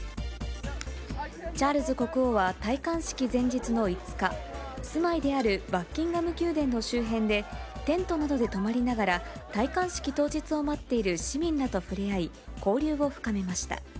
チャールズ国王は戴冠式前日の５日、住まいであるバッキンガム宮殿の周辺で、テントなどで泊まりながら戴冠式当日を待っている市民らと触れ合い、交流を深めました。